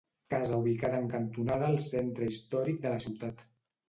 Casa ubicada en cantonada al centre històric de la ciutat.